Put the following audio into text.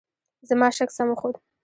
زما شک سم وخوت .